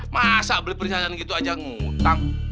masa beli perhiasan gitu aja ngutang